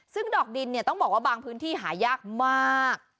ซึ่งดอกดินเนี่ยต้องบอกว่าบางพื้นที่หายากมาก